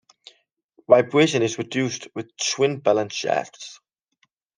Vibration is reduced with twin balance shafts.